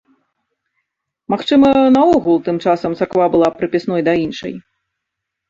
Магчыма, наогул, тым часам царква была прыпісной да іншай.